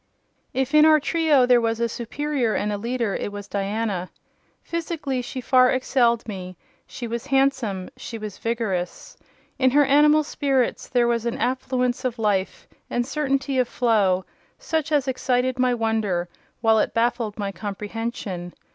If in our trio there was a superior and a leader, it was Diana. Physically, she far excelled me: she was handsome; she was vigorous. In her animal spirits there was an affluence of life and certainty of flow, such as excited my wonder, while it baffled my comprehension.